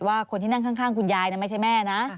ว่าคนที่นั่งข้างคุณยายไม่ใช่แม่นะ